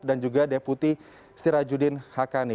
dan juga deputi sirajuddin haqqani